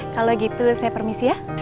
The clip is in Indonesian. kalau gitu saya permisi ya